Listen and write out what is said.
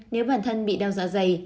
nếu bản thân bị đau dọa dày